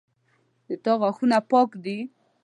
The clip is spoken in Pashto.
د تا غاښونه پاک دي